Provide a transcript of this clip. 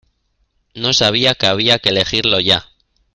No sabía que había que elegirlo ya.